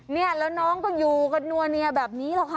เนี่ยแล้วน้องก็อยู่กันนัวเนียแบบนี้แหละค่ะ